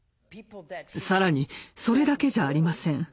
更にそれだけじゃありません。